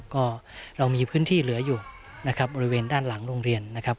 ก็เรามีพื้นที่เหลืออยู่นะครับบริเวณด้านหลังโรงเรียนนะครับ